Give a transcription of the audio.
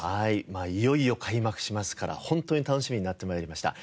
まあいよいよ開幕しますから本当に楽しみになって参りました。